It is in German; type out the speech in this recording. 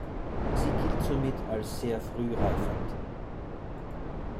Sie gilt somit als sehr früh reifend.